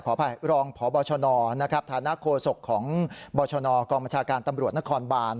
ขออภัยรองพบฐานาคโฆษกของบกรมชาการตำรวจนครบาน